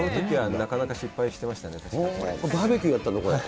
なかなか失敗してました。